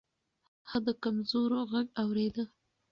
هغه د کمزورو غږ اورېده.